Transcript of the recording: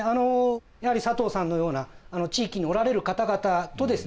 やはり佐藤さんのような地域におられる方々とですね